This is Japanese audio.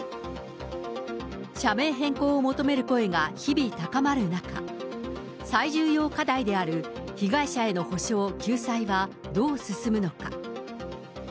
社名変更を求める声が日々高まる中、最重要課題である被害者への補償・救済はどう進むのか。